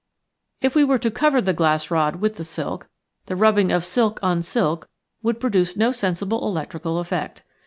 If we were to cover the glass rod with the silk, the rubbing of silk on silk would produce no sensi ble electrical effect.